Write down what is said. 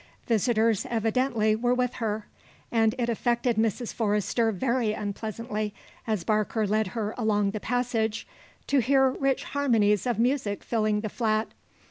Visitors, evidently, were with her, and it affected Mrs. Forrester very unpleasantly, as Barker led her along the passage, to hear rich harmonies of music filling the flat.